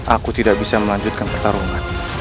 aku tidak bisa melanjutkan pertarungan